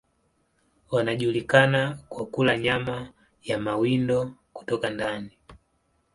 Wanajulikana kwa kula nyama ya mawindo kutoka ndani.